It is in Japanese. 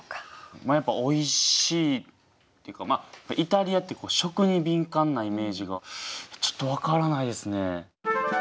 まあやっぱおいしいっていうかまあイタリアって食に敏感なイメージがちょっとわからないですね。